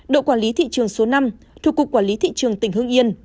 đội quản lý thị trường số năm thuộc cục quản lý thị trường tỉnh hương yên